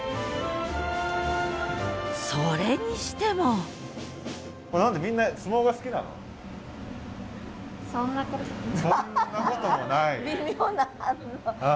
それにしてもそんなこともない。